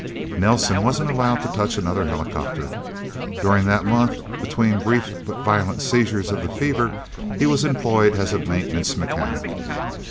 Nelsen wasn't allowed to touch another helicopter. During that month, between brief but violent seizures of the fever, he was employed as a maintenance mechanic.